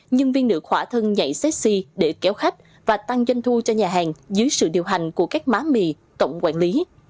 nhân viên nữ khỏa thân nhạy sexy để kéo khách và tăng doanh thu cho nhà hàng dưới sự điều hành của các má mì tổng quản lý